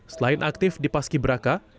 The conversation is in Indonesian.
selain aktif di paski beraka